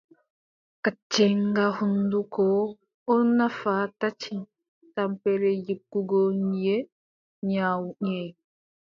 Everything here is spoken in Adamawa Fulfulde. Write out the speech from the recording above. Kacceenga hunnduko oɗn nafar tati: tampere yiggugo nyiiʼe, nyawu nyiiʼe,